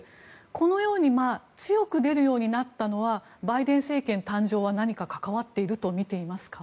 このように強く出るようになったのはバイデン政権誕生は何か関わっていると見ていますか？